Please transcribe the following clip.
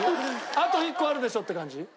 あと１個あるでしょって感じ？